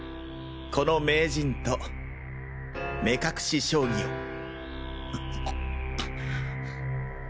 この名人と目隠し将棋を。